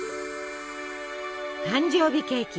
誕生日ケーキ。